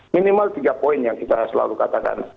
minimal tiga poin yang kita selalu katakan